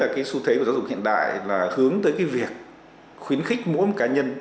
cái xu thế của giáo dục hiện đại là hướng tới cái việc khuyến khích mỗi một cá nhân